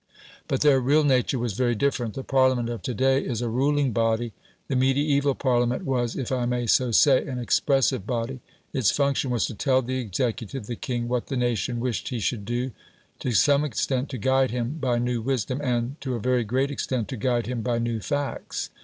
But their real nature was very different. The Parliament of to day is a ruling body; the mediaeval Parliament was, if I may so say, an EXPRESSIVE body. Its function was to tell the executive the king what the nation wished he should do; to some extent, to guide him by new wisdom, and, to a very great extent, to guide him by new facts.